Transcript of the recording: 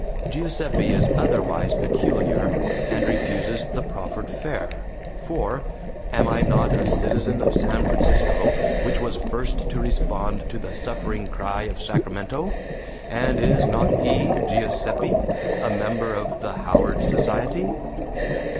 Giuseppe is otherwise peculiar, and refuses the proffered fare, for am I not a citizen of San Francisco, which was first to respond to the suffering cry of Sacramento? and is not he, Giuseppe, a member of the Howard Society?